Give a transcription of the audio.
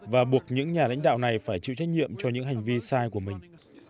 và buộc những nhà lãnh đạo này phải chịu trách nhiệm cho những hành vi sai của mình